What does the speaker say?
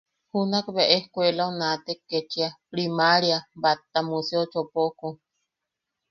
Junak bea escuelau naatek ketchia priMaría bat ta museo chopoku.